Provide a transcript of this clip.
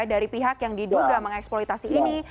dari pihak yang diduga mengeksploitasi ini